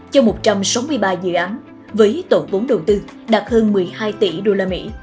cho một trăm sáu mươi ba dự án với tổng vốn đầu tư đạt hơn một mươi hai tỷ usd